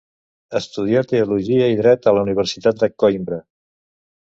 Estudià teologia i dret a la Universitat de Coïmbra.